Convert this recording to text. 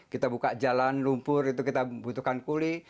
kita buka jalan lumpur itu kita butuhkan kuli